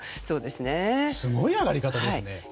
すごい上がり方ですね。